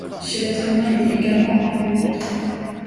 Chez l'être humain, il est également appelé ventre.